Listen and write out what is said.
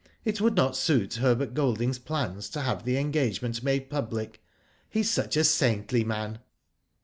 It would not suit Herbert Golding's plans to have the engagement made public. He is such a saintly man."